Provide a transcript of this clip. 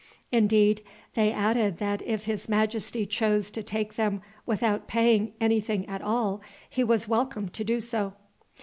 Indeed, they added that if his majesty chose to take them without paying any thing at all he was welcome to do so.